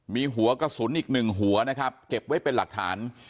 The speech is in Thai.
มีหัวกระสุนอีกหนึ่งหัวนะครับเก็บไว้เป็นหลักฐาน